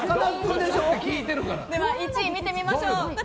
では１位を見てみましょう。